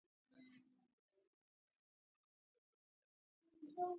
د ځوانانو د شخصي پرمختګ لپاره پکار ده چې ډیجیټل مهارتونه زده کړي.